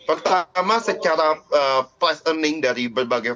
pertama secara price earning dari berbagai